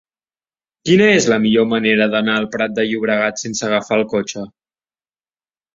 Quina és la millor manera d'anar al Prat de Llobregat sense agafar el cotxe?